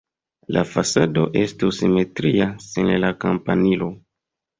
La fasado estus simetria sen la kampanilo.